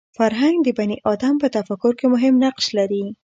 فرهنګ د بني ادم په تفکر کې مهم نقش لري